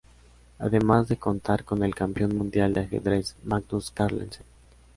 Ademas de contar con el campeón mundial de ajedrez, Magnus Carlsen.